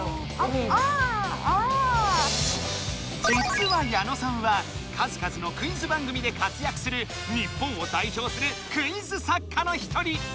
じつは矢野さんは数々のクイズ番組で活やくする日本をだいひょうするクイズ作家の一人。